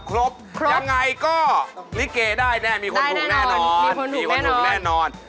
ครบยังไงก็นิเกได้แน่นอนมีคนถูกแน่นอน